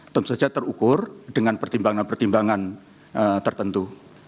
tentu saja terukur dengan pertimbangan pertimbangan tertentu